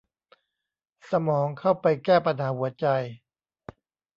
สมองเข้าไปแก้ปัญหาหัวใจ